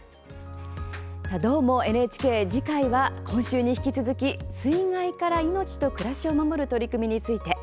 「どーも、ＮＨＫ」次回は、今週に引き続き水害から命と暮らしを守る取り組みについて。